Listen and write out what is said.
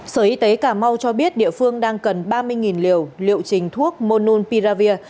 sở y tế cà mau cho biết địa phương đang cần ba mươi liều liệu trình thuốc mononpiravir